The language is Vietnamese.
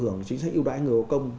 hướng chính sách yêu đại người vô công